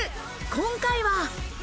今回は。